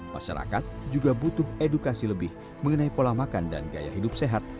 masyarakat juga butuh edukasi lebih mengenai pola makan dan gaya hidup sehat